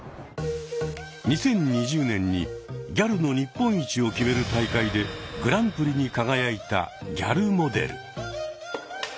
２０２０年にギャルの日本一を決める大会でグランプリに輝いたギャルモデル。